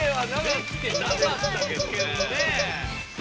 できてなかったけどね。